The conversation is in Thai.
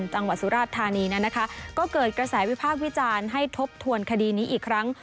จังหวัดสุราชธานีนั้นนะคะก็เกิดกระแสวิพากษ์วิจารณ์ให้ทบทวนคดีนี้อีกครั้ง